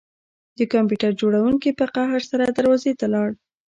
د کمپیوټر جوړونکي په قهر سره دروازې ته لاړ